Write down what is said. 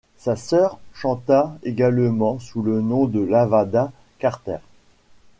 Sa sœur chanta également, sous le nom de Lavada Carter.